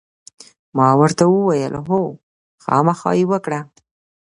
ما ورته وویل: هو، خامخا یې وکړه.